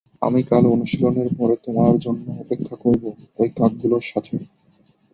আমি কাল অনুশীলনের পরে তোমার জন্য অপেক্ষা করব, এই কাক গুলোর সাথে।